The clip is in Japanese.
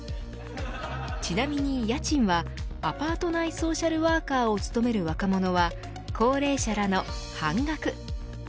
ちなみに家賃はアパート内ソーシャルワーカーを務める若者は高齢者らの半額。